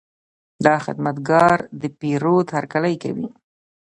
دا خدمتګر د پیرود هرکلی کوي.